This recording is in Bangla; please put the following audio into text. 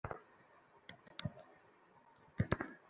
রমাপতি কহিল, সে কী কথা!